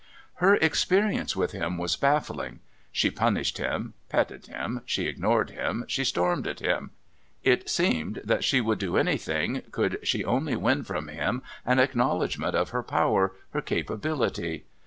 Her experience with him was baffling. She punished him, petted him, she ignored him, she stormed at him; it seemed that she would do anything could she only win from him an acknowledgment of her power, her capability.